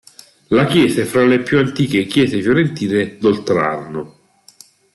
La chiesa è fra le più antiche chiese fiorentine d'Oltrarno.